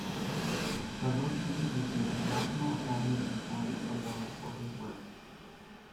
Zagoskin received national Academy of Science award for his work.